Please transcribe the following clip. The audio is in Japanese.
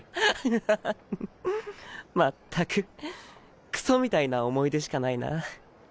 まったくクソみたいな思い出しかないな。